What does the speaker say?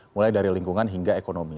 mulai dari lingkungan hingga ekonomi